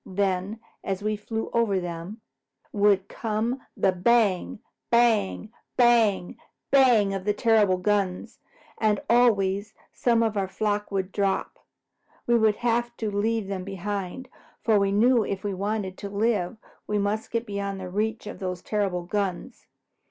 Then, as we flew over them, would come the bang, bang, bang, bang of terrible guns, and always some of our flock would drop. We would have to leave them behind, for we knew if we wanted to live we must get beyond the reach of those terrible guns.